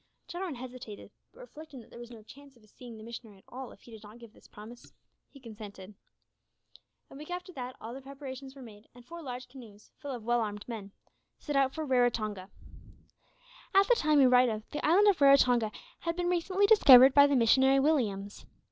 Jarwin hesitated, but reflecting that there was no chance of his seeing the missionary at all if he did not give this promise, he consented. A week after that all the preparations were made, and four large canoes, full of well armed men, set out for Raratonga. At the time we write of, the island of Raratonga had been recently discovered by the missionary Williams.